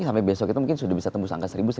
sampai besok itu sudah bisa tembus